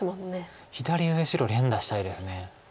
左上白連打したいです。